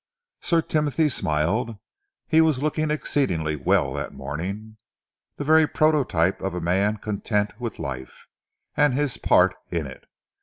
Sir Timothy smiled. He was looking exceedingly well that morning, the very prototype of a man contented with life and his part in it.